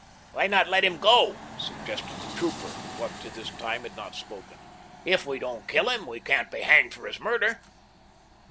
"Why not let him go?" suggested the trooper, who up to this time had not spoken. "If we don't kill him, we can't be hanged for his murder."